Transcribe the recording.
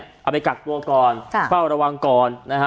เอาไปกักตัวก่อนเฝ้าระวังก่อนนะฮะ